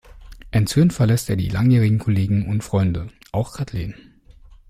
Erzürnt verlässt er die langjährigen Kollegen und Freunde, auch Kathleen.